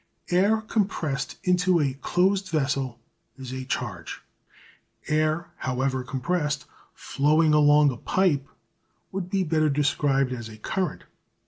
Air compressed into a closed vessel is a charge. Air, however compressed, flowing along a pipe would be better described as a current.